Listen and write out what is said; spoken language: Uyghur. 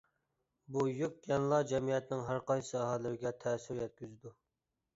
بۇ يۈك يەنىلا جەمئىيەتنىڭ ھەر قايسى ساھەلىرىگە تەسىر يەتكۈزىدۇ.